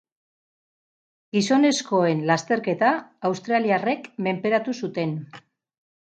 Gizonezkoen lasterketa australiarrek menperatu zuten.